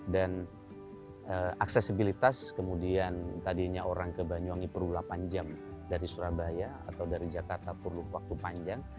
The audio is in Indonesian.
dan aksesibilitas kemudian tadinya orang ke banyuwangi perlu delapan jam dari surabaya atau dari jakarta perlu waktu panjang